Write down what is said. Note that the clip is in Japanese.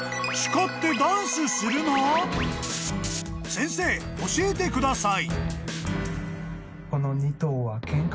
［先生教えてください］